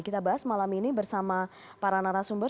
kita bahas malam ini bersama para narasumber